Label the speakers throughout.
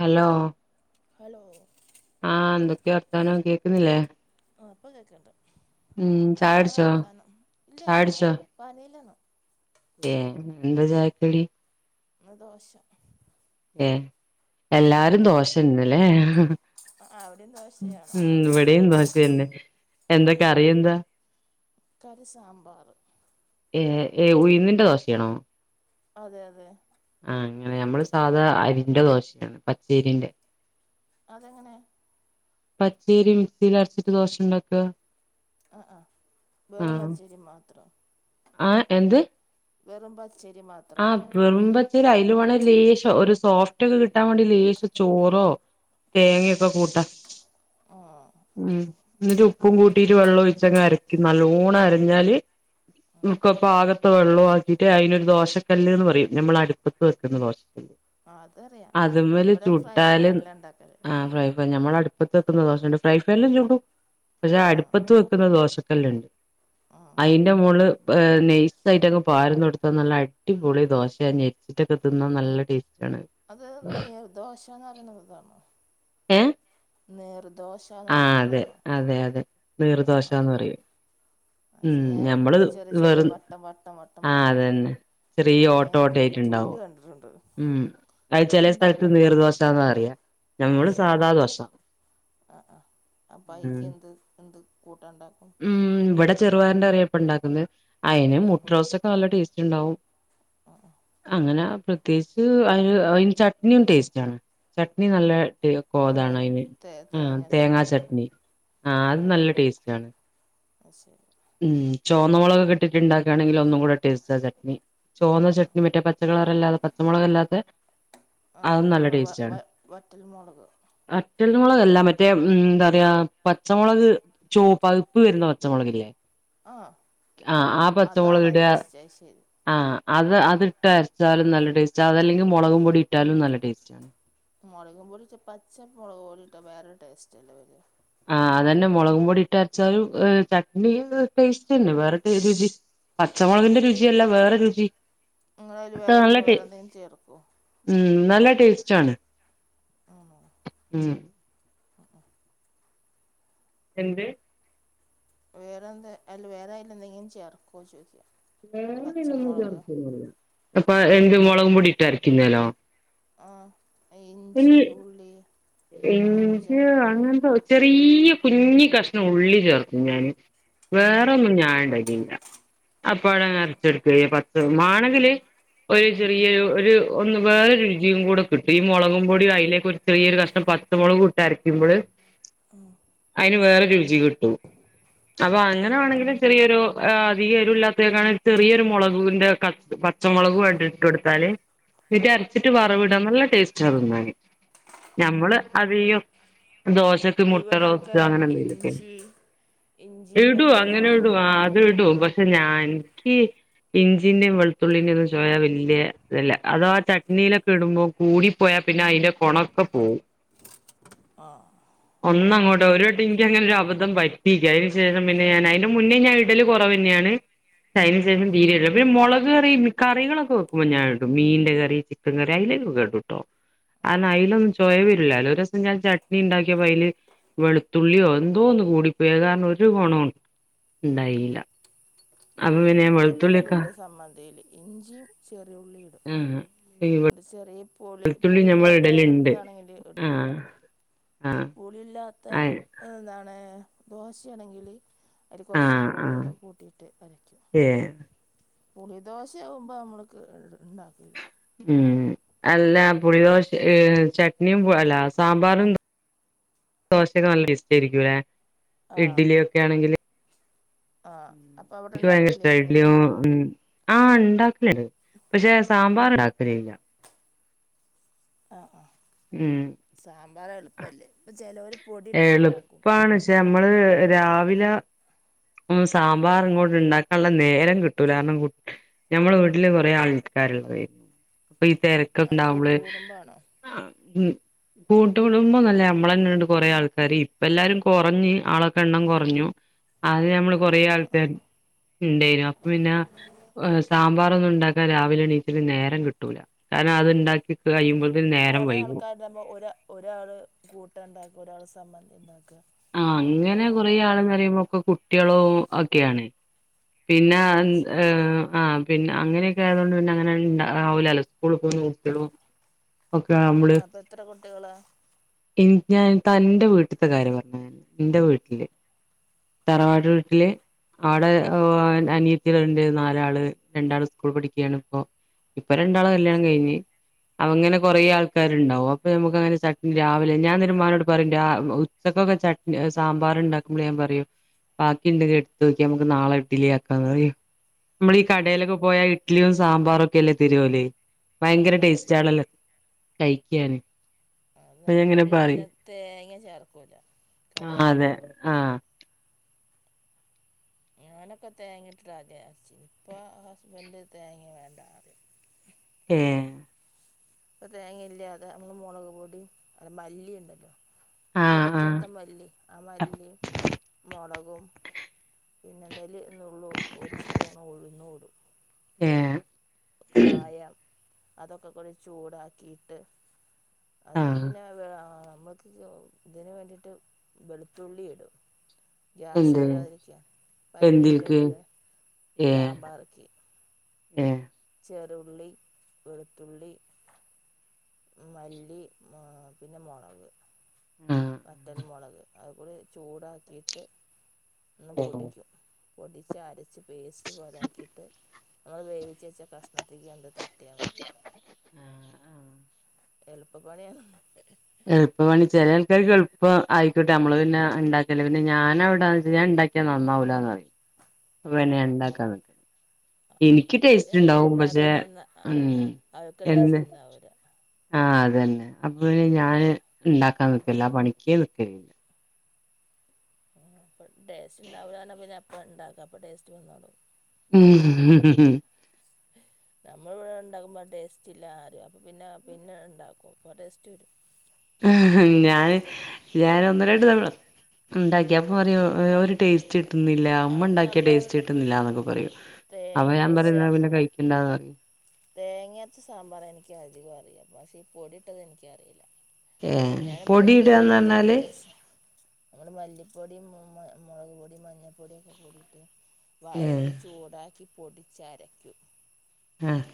Speaker 1: Hello
Speaker 2: hello
Speaker 1: ആഹ് എന്തൊക്കെയ വർത്താനം കേൾക്കുന്നില്ലേ?
Speaker 2: ആഹ് പ്പം കേൾക്കണ്ട് നല്ല
Speaker 1: ചായുടിച്ചോ
Speaker 2: വർത്തനം ഇല്ല ചായ
Speaker 1: ചായുടിച്ചോ
Speaker 2: പാണീലാണ്‌
Speaker 1: ഏഹ് എന്താ ചായക്കടി?
Speaker 2: ന്ന് ദോഷ
Speaker 1: ഏഹ് എല്ലാരും ദോഷന്നല്ലെ
Speaker 2: അവിടേം ദോശ്
Speaker 1: ഉം വ്ടേം ദോശന്നെ
Speaker 2: ആ
Speaker 1: എന്ത
Speaker 2: ആ
Speaker 1: കറിയെന്താ
Speaker 2: കറി സാമ്പാറ്
Speaker 1: ഏ ഏ ഉയുന്നിന്റെ ദോസയാണോ
Speaker 2: അതെ അതെ
Speaker 1: ആഹ് അങ്ങനെ നമ്മള് സാധാ അരിന്റെ ദോശാ പച്ചേരിന്റെ
Speaker 2: അതെങ്ങനെ?
Speaker 1: പച്ചേരി മിക്സിൽ അരച്ചിട്ട് ദോശണ്ടാക്ക
Speaker 2: ആഹ് ആഹ് വെറും പച്ചേരി മാത്രം
Speaker 1: ആഹ് എന്ത്?
Speaker 2: വെറും പച്ചേരി മാ
Speaker 1: ആഹ് വെറുമ്പച്ചേരി അതിൽ വേണെ ലേശം ഒരു സോഫ്റ്റൊക്കെ കിട്ടാൻ വേണ്ടി ലേശം ചോറോ തേങ്ങയൊക്കെ കൂട്ടാ
Speaker 2: ആഹ് ആഹ്
Speaker 1: ഉം ന്നിട്ട് ഉപ്പും കൂട്ടിട്ട് വെള്ളം ഒഴിച്ചങ്ങ് അരക്ക്‌യും നല്ലോണം അരഞ്ഞാല് ക്ക പ്പാകത്തെ വെള്ളം ആക്കിട്ട് അതിലൊരു ദോഷ കല്ല്ന്ന് പറയും നമ്മൾ അടുപ്പത്ത് വെക്കുന്ന ദോശല്ല്
Speaker 2: ആ, അതറിയാം
Speaker 1: അത്മ്മല്
Speaker 2: ഇവിടെ ഫ്രൈ
Speaker 1: ചുട്ടാലും
Speaker 2: പാനിലാണ് ഉണ്ടാക്കല്
Speaker 1: ആഹ് ഫ്രൈ ഞമ്മൾ അടുപ്പത്ത് വെക്കുന്ന ദോശണ്ട് ഫ്രൈ പാൻലും ചുടും പക്ഷെ
Speaker 2: ആ
Speaker 1: അടുപ്പത്ത് വെ ക്ക്ന്ന ദോശക്കല്ല്ണ്ട്
Speaker 2: ആ
Speaker 1: അയ് മോള് നയ്‌സായിട്ടങ് പാര്ന്ന്‌ കൊടുത്താ നല്ല അ അടിപൊളി ദോശ ഞെരിച്ചിട്ടൊക്കെ തിന്നാ നല്ല ടേസ്റ്റ് ആണ്.
Speaker 2: അത് നീർദോഷന്ന് പറയണത് താണോ
Speaker 1: ഏഹ്
Speaker 2: നീർദോഷ്
Speaker 1: ആഹ് അതെ അതെ അതെ
Speaker 2: ആ
Speaker 1: നീർദോഷന്ന് പറയും ഉം
Speaker 2: പക്ഷേ ഇങ്ങനെ
Speaker 1: ഞമ്മള്
Speaker 2: ചെറിയ ചെറിയ
Speaker 1: വെറും
Speaker 2: വട്ടം വട്ടം വട്ടം
Speaker 1: ആഹ്
Speaker 2: പോലെ
Speaker 1: അതന്നെ ചെറിയ
Speaker 2: ആ
Speaker 1: ഓട്ട
Speaker 2: ഞാൻ യൂട്യൂബിൽ
Speaker 1: ഓട്ടയിട്ട്ണ്ടാവും
Speaker 2: കണ്ടിട്ടുണ്ട്
Speaker 1: ഉം അത് ചെലേ സ്ഥലത്ത് നീർദോഷാന്നറിയ
Speaker 2: ആഹ് ശെരി ആഹ് ആഹ്
Speaker 1: ഉം
Speaker 2: അപ്പയ്ക്കെന്ത് എന്ത് കൂട്ടാണ്ടാക്കും
Speaker 1: ഉം ഇവിടെ ചെറുപയർന്റെ കറിയപ്പ ണ്ടാക്കുന്നത് അയ്ന് മുട്ട റോസ്‌റ്റോക്കെ നല്ല ടേസ്റ്റ് ഇണ്ടാവും അങ്ങനാ പ്രത്യേകിച്ച് അയി അയിന് ചട്നിയും ടേസ്റ്റ് ആണ് ചട്നി നല്ല ടേ
Speaker 2: നമ്മൾ
Speaker 1: കോതണയിന്
Speaker 2: തേ
Speaker 1: ആഹ്
Speaker 2: തേങ്ങ
Speaker 1: തേങ്ങാ
Speaker 2: ചമ്മന്തി
Speaker 1: ചട്നി ആഹ് അത് നല്ല ടേസ്റ്റണ്
Speaker 2: അശെരി
Speaker 1: ഉം ചോന്നമൊളകൊക്കെ ട്ട്ണ്ടാക്കാണങ്കില് ഒന്നുംകൂടെ ടേസ്റ്റാ ചട്നി ചോന്ന ചട്നി മറ്റേ പച്ചക്കളറല്ലാതെ പച്ച മൊളകല്ലാത്തേ
Speaker 2: ആഹ് നിങ്ങള് വ വ വറ്റൽ മൊളക്
Speaker 1: അറ്റൽമുളകല്ല മറ്റേ ന്താറിയാ പച്ചമുളക് ചൂവപ്പ പ്പ് വരുന്ന പച്ച മൊളകില്ലേ
Speaker 2: ആഹ്
Speaker 1: ആഹ് ആഹ് പച്ചമൊളക്‌ടാ.
Speaker 2: ജയ് ശരി
Speaker 1: ആഹ് അത് അത് ഇട്ട് അരച്ചാലും നല്ല ടേസ്റ്റാ അതല്ലെങ്കിൽ മൊളകും പൊടി ഇട്ടാലും നല്ല ടേസ്റ്റ് ആണ്
Speaker 2: മൊളകും പൊടിച്ച പച്ച മൊളക്പൊടിട്ടാ വേറൊരു ടേസ്റ്റല്ലേ വര
Speaker 1: ആഹ് അതന്നെ മൊളകും പൊടി ഇട്ട് അരച്ചാലും ചട്നി ടേസ്റ്റന്നെ വേറെ [unintelligible] പച്ച മൊളകിന്റെ രുചിയല്ല വേറെ രുചി
Speaker 2: ഇങ്ങളയില് വേറെ
Speaker 1: നല്ല
Speaker 2: പിന്നെ
Speaker 1: ടേ
Speaker 2: വേറെ എന്തെലും ചേർക്കോ?
Speaker 1: ഉം നല്ല ടേസ്റ്റ് ആണ്
Speaker 2: ആണോ
Speaker 1: ഉം എന്ത്?
Speaker 2: വേറെ എന്താ അയ്ല് വേറെയിലെന്തെങ്കിലും ചേർക്കോ ചോയ്ക്കാ.
Speaker 1: [unintelligible] പ്പ എന്ത് മൊളകും പൊടിട്ടരക്കുന്നയിലോ?
Speaker 2: ആഹ് ഇഞ്ചി, ഉള്ളി അങ്ങനൊന്നും
Speaker 1: ഇഞ്ച്
Speaker 2: ചേർ പിന്നെ
Speaker 1: അങ്ങൻത്തൊ ചെറിയ കുഞ്ഞി കഷ്ണം ഉള്ളി ചേർക്കും ഞാന്. വേറൊന്നും ഞാൻണ്ടാകില്ല അപ്പ [unintelligible] [unintelligible] മാണങ്കില് ഒരു ചെറിയ ഒരു ഒന്നും പാടെ രുചിയും കൂടെ കിട്ടി ഈ മൊളകും പൊടി അയ്ലേക്ക് ഒരു ചെറിയൊരു കഷ് പച്ച മൊളകുട്ടരയ്ക്കുമ്പള്
Speaker 2: ഉം
Speaker 1: അയിന് വേറെ രുചി കിട്ടൂ. അപ്പൊ അങ്ങനെ
Speaker 2: ആ
Speaker 1: വാണെങ്കില് ചെറിയൊരു ആ അധികെരുല്ലാത്തേക്കാണ് ചെറിയെരു മൊളകുന്റെ കഷ് പച്ച മൊളകു ആണ്ട് ഇട്ടൊടുത്താല്. പിന്നെ അരച്ചിട്ട് വറവ്ട നല്ല ടേസ്റ്റാ തിന്നാന്. ഞമ്മള് അതീയം ദോശ ക്ക് മുട്ട
Speaker 2: ഇവിടൊക്കെ
Speaker 1: റോസ്റ്റ് അങ്ങനെ എന്തേലൊക്കെ
Speaker 2: ഇഞ്ചി ഇഞ്ചിയും
Speaker 1: ഇടു അങ്ങനെ
Speaker 2: പച്ചമുളകും
Speaker 1: ഇടു അത്
Speaker 2: ഒക്കെയാണ്
Speaker 1: ഇടും പ ഞാൻക്കി ഇഞ്ചിൻ്റേം വെളുത്തുള്ളിന്റെത് ചൊയ വല്യ ഇതല്ല. അതവാ ചട്നിയിലൊക്കെ ഇടുമ്പോ കൂടിപ്പോയാ പിന്നെ അയിൻ്റെ കൊണൊക്കെ പോവും.
Speaker 2: ആഹ്
Speaker 1: ഒന്ന അങ്ങോട്ട് ഒരട്ടിൻക്കങ്ങനെ ഒരഅബദ്ധം പറ്റി. അയിന് ശേഷം പിന്നെ ഞാൻ അയിന്റെ മുന്നേ ഞാന് തില് കൊറവന്നെയാണ് [unintelligible] പിന്നെ മൊളക് കറി കറികളൊക്കെ വെക്കുമ്പോ ഞാനിടും മീന്റെ കറി പിന്നെ റെഡിയായിലെ കേട്ടു കേട്ടോ അന അയിലൊ [unintelligible] ചൊയവരുല്ലാലോ ഒരുസം ഞാൻ ചട്നി ഇണ്ടാക്കിയപ്പോ അയില് വെളുത്തുള്ളിയോ എന്തോന്ന് കൂടിപ്പോയി അത് കാരണം ഒരു കൊണം ഇണ്ടായീല്ല
Speaker 2: വെളുത്തുള്ളി ഒന്നുടൂല്ല സമ്മന്തീല് ഇഞ്ചി, ചെറിയുള്ളി
Speaker 1: മ് ഇവ്
Speaker 2: ചെറിയേ പുളി പുളിൻ്റെകത്ത് ഇതാണെങ്കില് ഇടും. പു
Speaker 1: ആഹ് ആഹ്
Speaker 2: പുളില്ലാത്ത
Speaker 1: ആഹ്
Speaker 2: എന്താണ് ദോശയാണെങ്കില് അയില് കൊർച്ച്
Speaker 1: ആഹ് ആഹ്
Speaker 2: പുളിയൊക്കെ കൂട്ടിയിട്ട് അരയ്ക്കും.
Speaker 1: ഏഹ്
Speaker 2: പുളിദോശയാവുമ്പോ നമ്മൾക്ക് ണ്ടാക്കില്ല.
Speaker 1: ഉം അല്ല പുളിദോശ, ചട്നിയും അല്ല സാമ്പാറും ദോശക്കെ നല്ല ടേസ്റ്റ് ആയിരിക്കുല്ലെ
Speaker 2: ആ
Speaker 1: ഇഡ്ലി ഒക്കെ ആണെങ്കിൽ
Speaker 2: ആ അപ്പോൾ അവിടെ
Speaker 1: എനിക്ക് ഭയങ്കര
Speaker 2: ഉണ്ടാക്കില്ല
Speaker 1: ഇഷ്ടാ
Speaker 2: ഇഡ്ഡലിയൊന്നും
Speaker 1: [unintelligible] ഉം ആഹ് ഇണ്ടാക്കലണ്ട് പക്ഷെ സാമ്പാർ ഇണ്ടാക്കൽല്ല്യ.
Speaker 2: അഹ് ആഹ്
Speaker 1: ഉം
Speaker 2: സാമ്പാർ എളുപ്പല്ലേ ഇപ്പൊ ചെലോർ പൊടി ഇട്ടിട്ടുണ്ടാക്കും.
Speaker 1: എളുപ്പാണ് പക്ഷെ നമ്മള് രാവിലെ ഉം സാമ്പാർ ഇങ്ങോട്ട് ഇണ്ടാക്കാനുള്ള നേരം കിട്ടൂല കാരണം കു ഞമ്മള വീട്ടില് കൊറെ ആൾക്കാരുള്ളായി അപ്പൊ ഈ തെരക്ക്
Speaker 2: ആ
Speaker 1: ഇണ്ടാവുമ്പള്
Speaker 2: കൂട്ടുകുടുംബാണോ
Speaker 1: ആഹ് ഉം കൂട്ട് കുടുമ്പോന്നല്ലേ നമ്മള തന്നെ എടു കൊറേ ആൾക്കാര് ഇപ്പ എല്ലാരും കൊറഞ്ഞ് ആളൊക്കെ എണ്ണം കുറഞ്ഞു. അത് ഞമ്മള് കൊറേ ആൾക്കാർ ഇണ്ടായിനു അപ്പൊ പിന്നെ ഹ് സാമ്പാറൊന്നും ഇണ്ടാക്കാൻ രാവിലെ എണീതിൽ നേരം കിട്ടൂല. കാരണം അത്ണ്ടാക്കി കഴിയുമ്പോൾ
Speaker 2: കൊറേ ആൾക്കാര്‌തെ പ്പൊ ഒര ഒരാള് കൂട്ട ഇണ്ടാക്ക ഒരാള് സമ്മന്തി ഉണ്ടാക്ക.
Speaker 1: ആഹ് അങ്ങനെ കൊറേ ആൾന്ന്റിയുമ്പോ കുട്ടിയളോ ഒക്കെയാണ്. പിന്നെ അഹ്
Speaker 2: ആ
Speaker 1: ന്ത്
Speaker 2: ശരി
Speaker 1: ആഹ് പിന്നെ അങ്ങനെയക്കെ ആയതുകൊണ്ട് പിന്നെ അങ്ങനെ ഉണ്ടാവൂലല്ലോ സ്കൂള് പോകുന്ന കുട്ടിയളും. ഓക്കെ നമ്മുടെ
Speaker 2: ഇത്ര കുട്ടികള
Speaker 1: ഞാൻ തൻന്റെ വീട്ടത്തെ കാര്യം പറഞ്ഞ എന്റെ വീട്ടില് തറവാട്ട വൂട്ടില് അവിടെ
Speaker 2: ആ
Speaker 1: അനി കുത്തിന്റെ നാലാള് രണ്ടാള് സ്കൂൾ പഠിക്കുകയാണ് ഇപ്പോ ഇപ്പൊ രണ്ടാള്
Speaker 2: ആ
Speaker 1: കല്യാണം
Speaker 2: ശരി
Speaker 1: കഴിഞ്ഞ് അങ്ങനെ കുറേ ആൾ ക്കാരുണ്ടാവ അപ്പൊ നമുക്ക് അങ്ങനെട്ട രാവിലെ ഞാൻ നിരുമാനോട് പറയും ഉച്ചക്കെ ചട്ട ഞാൻ സാമ്പാർ ഉണ്ടാക്കുമ്പോൾ ഞാൻ പറയൂ ബാക്കി ഉണ്ടെങ്കിൽ എടുത്ത് നോക്കിയാ നമുക്ക് നാളെ ഇഡലി ആക്കാ നമ്മൾ ഈ
Speaker 2: ആ
Speaker 1: കടയിലൊക്കെ പോയാ ഇ ഇഡ്ലിയും സാമ്പാറും ഒക്കെ അല്ലേ തതിരുവലേ
Speaker 2: ആ
Speaker 1: ഭയങ്കര ടേസ്റ്റ് ആണല്ലോ കഴിക്കാന്
Speaker 2: അത്
Speaker 1: അപ്പൊ ഞാൻ ഇങ്ങനെ
Speaker 2: അവർ പിന്നെ
Speaker 1: പറയും
Speaker 2: തേങ്ങ ചേർക്കല കടയക്കാർ
Speaker 1: ആഹ
Speaker 2: ഞാനൊക്കെ തേങ്ങിട്ടിട്ടചാരിച്ച ഇപ്പോൾ ഹസ്ബൻഡ് തേങ്ങ വേണ്ട അറിം
Speaker 1: ഏ
Speaker 2: ഇപ്പൊ തേങ്ങയില്ലാതെ നമ്മള് മുളക് പൊടിയും അല്ല മല്ലിയ ഉണ്ടല്ലോ
Speaker 1: ആഹ് ആഹ്
Speaker 2: പൊടിക്കാത്ത മല്ലി ആ മല്ലിയും മുളകും പിന്നെ എന്തോല എന്നന്നള്ളൂ ഒരു സ്പൂൺ ഉഴുന്നോടും
Speaker 1: ഏ
Speaker 2: കായം അതൊക്കെ കൂടി ചൂടാക്കിയിട്ട് അതില്
Speaker 1: ആഹ്
Speaker 2: പിന്നെ നമ്മൾക്ക് ഇതിനന് വേണ്ടിട്ട് വെളുത്തുള്ളി ഇടടും ഗ്യാസ്
Speaker 1: എന്ത്
Speaker 2: വരാതിരിക്കുകുക പരിപ്പിൻ്റെ
Speaker 1: എന്തിൽക്ക്
Speaker 2: കൂടെ സാമ്പാറക്ക
Speaker 1: ഏ
Speaker 2: ചേറള്ളി, വെളുത്തുള്ളി മല്ലി, പിന്നെ മുളക്
Speaker 1: ആഹ്
Speaker 2: വറ്റന്മുളക് അതുപോല ചൂടാക്കിയിട്ട് ഒന്ന്
Speaker 1: ഏഹ്
Speaker 2: പൊടിക്കും പൊടിച്ച് അരച്ച് പേസ്റ്റ് പോലാക്കിയിട്ട് നമ്മൾ വേവിച്ച വെച്ചാൽ കഷ്ണത്തിക്ക ഉണ്ട് യാതിയാമതി എളുപ്പപ്പണിയണല്ല
Speaker 1: എളുപ്പമാണി ചില ആൾക്കാർക്ക് എളുപ്പം ആയി ട്ട നമ്മള് പിന്നെ ഉണ്ടാക്കേ പിന്നെ ഞൻ അവിടൊന്ന് വൊ ഉണ്ടാക്കിയാ നന്നാവൂലന്ന് നെ
Speaker 2: ആണോ
Speaker 1: എണ്ടാക്കാ നക്ക
Speaker 2: ഇവിടെ
Speaker 1: എനിക്കിടെസ്റ്റ്‌
Speaker 2: അങ്ങനെ
Speaker 1: ഉണ്ടാവും പക്ഷെ
Speaker 2: ഉണ്ടാക്കാൻ തന്ന
Speaker 1: ഉ
Speaker 2: അവർക്ക്
Speaker 1: എന്ന്
Speaker 2: ടേസ്റ്റ് ഉണ്ടാവില്ല
Speaker 1: ആ അത്‌ തന്നെ അപ്പൊ പിന്നെ ഞാൻ ണ്ടാക്കാൻ നിക്കലില്ല ആ പണിക്കെ നിക്കലില്ല.
Speaker 2: ടെസ്റ്റ്‌ ണ്ടാവൂല പറഞ്ഞ പിന്നെ അപ്പൊ ണ്ടാക്ക അപ്പൊ ടെസ്റ്റ് വന്നോളും
Speaker 1: ഉംഉം.
Speaker 2: [inaudible] നമ്മൾവിടെ ഉണ്ടാക്കുമ്പോൾ ടേസ്റ്റ് ഇല്ല അരിം. അപ്പോൾ പിന്നെ പിന്നെ ഉണ്ടാക്കും അപ്പോൾ ടേസ്റ്റ് വരും
Speaker 1: ഹം ഞാൻ ഞാൻ ഒന്ന് രണ്ടു തവണ ഉണ്ടാക്കിയ പരിം ഒരു ടേസ്റ്റ് കിട്ടുന്നില്ല ഉമ്മ
Speaker 2: അത്
Speaker 1: ഉണ്ടാക്കിയ
Speaker 2: നമ്മൾ
Speaker 1: ടേസ്റ്റ് കിട്ടുന്നില്ല എന്നൊക്കെ പറയും അപ്പൊ
Speaker 2: തേങ്ങ
Speaker 1: ഞാൻ പറയും പിന്നെ കഴിക്കണ്ടന്ന് പറയും.
Speaker 2: തേങ്ങാരച്ച സാമ്പാർ എനിക്ക് അധികം അറിയാം പക്ഷെ ഈ പൊടിയിട്ടത് എനിക്കറിയില്ല
Speaker 1: ഏഹ്
Speaker 2: ഞാൻ പൊടിട്ട്
Speaker 1: പൊടിയിടാന്ന് പറഞ്ഞാല്
Speaker 2: ഉണ്ടാക്കിയട്ടേസ്ട്ട് നമ്മുടെ മല്ലിപ്പൊടിയും മുളക് പൊടിയും മഞ്ഞൾപ്പൊടിയ ഒക്കെ കൂടിയിട്ട് വ
Speaker 1: ഏഹ്
Speaker 2: ഒന്ന് ചൂടാക്കി പൊടിച്ചരക്കും.
Speaker 1: ആഹ്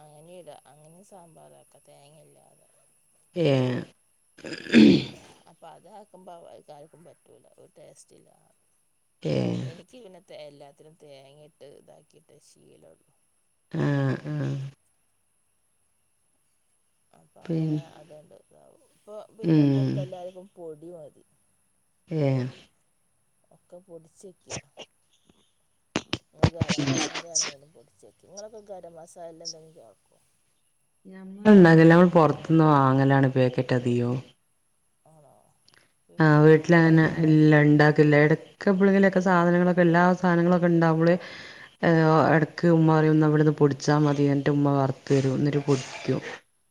Speaker 2: അങ്ങനെയും ഇട അങ്ങനെയും സാമ്പാർ ആക്ക തേങ്ങല്ലാതെ
Speaker 1: ഏഹ് ഉം
Speaker 2: അപ്പോൾ അതാക്കുമ്പോൾ ആർക്കും പറ്റില്ല ഒരു ടേസ്റ്റ ഇല്ല
Speaker 1: ക്കേ
Speaker 2: എനിക്ക് പിന്നെ എല്ലാത്തിനും തേങ്ങയിട്ട് ഇതാക്കിയിട്ടെ ശീല മുള്ളു
Speaker 1: ആ ആ
Speaker 2: അപ്പൊ അങ്ങനെ
Speaker 1: പിന്നെ
Speaker 2: അതണ്ട് ഇപ്പൊ പിന്നെഇപ്പൊ
Speaker 1: ഉം
Speaker 2: എല്ലാർക്കും പൊടി മതി
Speaker 1: ഏഹ്
Speaker 2: ഒക്കെ പൊടിച്ചെക്ക്യ ഞങ്ങൾ ഗരം മസാലയാണെങ്കിലും പൊടിച്ചേക്കും നിങ്ങളഒക്കെ ഗരം മസാലേൽ എന്തെങ്കിലും ചേർ
Speaker 1: ഞമ്മൾ ഉണ്ടാക്കെല്ല ഞമ്മൾ പുറത്തിന്ന് വാങ്ങലാണ് പാക്കറ്റ് അധികം
Speaker 2: ആണോ?
Speaker 1: ആഹ്
Speaker 2: വീട്ടിലുണ്ടാക്കില്ല
Speaker 1: വീട്ടിലങ്ങനെ എല്ല ഇണ്ടാക്കില്ല ഇടക്ക എപ്പോളെങ്കിലു മൊക്കെ സാധനങ്ങളൊക്കെ എല്ലാ സാധനങ്ങളൊക്കെ ഉണ്ടാവകുമ്പള് എ ഇടയ്ക്ക് ഉമ്മ പരിംന്ന വ്ട്ന്ന് പൊടിച്ചാൽ മതി എന്റെ മ്മ വറുത്തു തരും ന്നീട്ട് പൊ ക്കു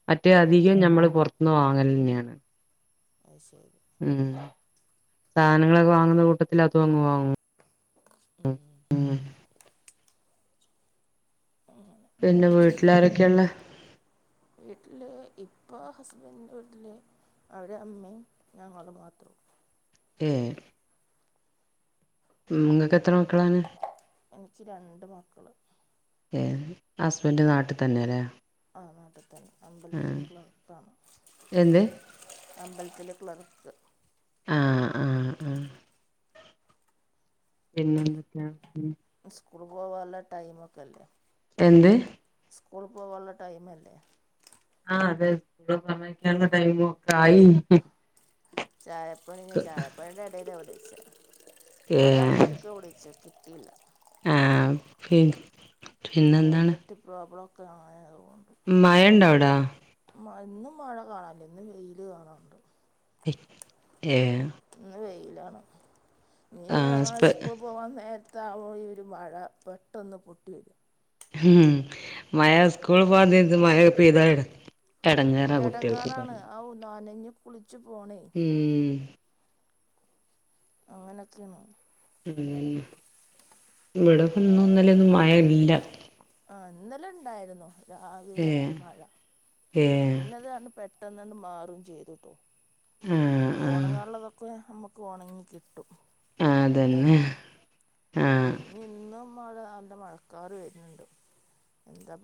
Speaker 1: മറ്റേ
Speaker 2: ആ
Speaker 1: അധികം ഞമ്മള് പുറത്തുന്ന് വാങ്ങലെന്നെയാണ്
Speaker 2: അയ്ശേരി
Speaker 1: ഉം സാധനങ്ങളൊക്കെ വാങ്ങുന്ന കൂട്ടത്തിൽ അതും അങ്ങ് വാങ്ങും
Speaker 2: ഏഹ്
Speaker 1: ഉം
Speaker 2: അങ്ങനെ
Speaker 1: പിന്നെ വീട്ടിലാരൊക്കെയുള്ളെ?
Speaker 2: വീട്ടില് ഇപ്പ ഹസ്ബൻഡിൻ്റെ വീട്ടിൽ അവരെ ഉമ്മയും ഞങ്ങളു മാത്രള്ള
Speaker 1: ഏഹ് ഉം ങ്ങൾക്കെത്ര മക്കളാണ്?
Speaker 2: എനിക്ക് രണ്ട് മക്കള്
Speaker 1: എ ഹസ്ബൻഡ് നാട്ടിൽ തന്നെയല്ലേ
Speaker 2: ആഹ് നാട്ട് ത്തന്നെ അമ്പലത്തില് ക്ലർക്കണ്.
Speaker 1: എന്ത്
Speaker 2: അമ്പലത്തില് ക്ലർക്ക്
Speaker 1: ആഹ് ആഹ് ആഹ് പിന്നെന്തക്ക
Speaker 2: സ്കൂള് പോവാള്ള ടൈം ഒക്കെ ല്ലേ
Speaker 1: എന്ത്?
Speaker 2: സ്കൂൾ പോവാള്ള ടൈമല്ലേ
Speaker 1: ആഹ് അതെ സ്കൂൾ പറഞ്ഞെക്കനുള്ള ടൈം ഒക്കെ ആയി.
Speaker 2: ചായ പണി ചായ പണീന്റെ എടേല വിളിച്ചേ കുറെ
Speaker 1: ഏഹ്
Speaker 2: ആൾക്കാർ ക്ക് വിളിച്ചോക്കി ക്കില്ല
Speaker 1: ആഹ് പിൻ
Speaker 2: എന്തോ നെറ്റ് പ്രോബ്ലം ഒക്കെ ആയതുകൊണ്ട്.
Speaker 1: മയണ്ടവിടെ?
Speaker 2: മ ഇന്ന് മഴ കാണാനില്ല ഇന്ന് വെയില് കാണാണ്ട്
Speaker 1: ഇ ഏഹ്
Speaker 2: ഇന്ന് വെയിലാണ് ജ്
Speaker 1: ആഹ്
Speaker 2: നമ്മളെ
Speaker 1: സ്പെ
Speaker 2: സ്കൂ പോകൻ നേരത്തായൊരു ഈ മഴ പെട്ടന്ന് പൊട്ടിയത്
Speaker 1: ഉം മഴ സ്കൂൾ പോകാൻ നേരത്ത് മഴ പെയ്തടെ
Speaker 2: എടങ്ങാറാണ് ഔ നനഞ്ഞു കുളിച്ചു പോണേ
Speaker 1: ഉം
Speaker 2: അങ്ങനെയൊക്കെണ്
Speaker 1: ഉം ഇവിടെപ്പോ ഇന്നും ഇന്നലെ ഒന്നും മഴ ഇല്ല
Speaker 2: ആഹ് ഇന്നലെ ഇണ്ടായിരുന്നു രാവിലെ
Speaker 1: ഏഹ്
Speaker 2: മഴ
Speaker 1: ഏഹ്
Speaker 2: പിന്നെതാണ് പെ ട്ടന്നണ്ട് മാറും ചെയ്തുട്ടോ
Speaker 1: ഉം
Speaker 2: ആഹ് ഒണങ്ങാള്ളതൊക്കെ നമുക്ക് ഓണങ്ങി കിട്ടും
Speaker 1: ആഹ്
Speaker 2: ന്നലെ
Speaker 1: അതന്നെ
Speaker 2: ഇപ്പോ
Speaker 1: ആഹ്
Speaker 2: ഇനി ഇന്നും മഴ നല്ല മഴക്കാറ് വര്ണ്ട്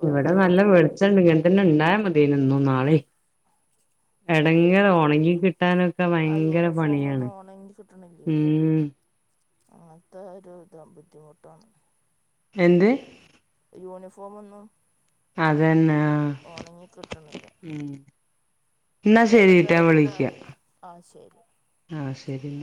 Speaker 1: ഇവിടെ നല്ല വെളിച്ചണ്ട് ഇങ്ങൻ തന്നെ ഉണ്ടായാ മതിയന്നു ഇന്നും നാളെയും എടങ്ങറ്
Speaker 2: അവർക്ക്
Speaker 1: ഒണങ്ങി കിട്ടാനൊക്കെ
Speaker 2: ആ
Speaker 1: ഭയങ്കര
Speaker 2: യൂണിഫോം
Speaker 1: പണിയാണ്
Speaker 2: ഒന്നും
Speaker 1: ഉം
Speaker 2: അതൊരു ഇത ബുദ്ധിമുട്ട
Speaker 1: എന്ത്?
Speaker 2: യൂനിഫോന്നു
Speaker 1: അതന്നെ ആഹ്
Speaker 2: കിട്ടണില്ല
Speaker 1: ന്നാ ശരിയിട്ടോ
Speaker 2: വേറെന്താ
Speaker 1: ഞാൻ വിളിക്ക
Speaker 2: ആശയം
Speaker 1: ആഹ് ശരി